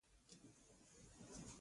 له علي سرکشي نه شي کېدای.